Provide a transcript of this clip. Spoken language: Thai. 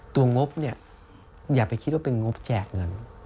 ตัวงบอย่าไปคิดว่าเป็นงบแจกเงิน